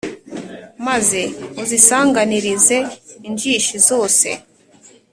Maze uzisanganirize injishi zose